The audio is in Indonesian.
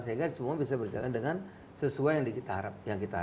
sehingga semua bisa berjalan dengan sesuai yang kita harapkan